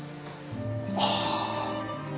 ああ！